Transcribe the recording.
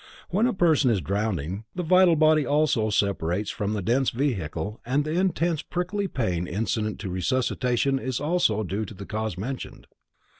When a person is drowning, the vital body also separates from the dense vehicle and the intense prickly pain incident to resuscitation is also due to the cause mentioned.